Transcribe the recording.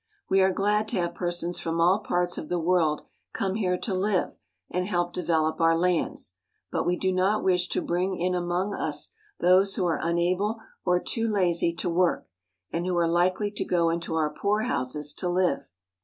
We are glad to have persons from all parts of the world come here to live and help develop our lands, but we do not wish to bring in among us those who are unable or too lazy to work, and who are hkely to go into our poorhouses to live.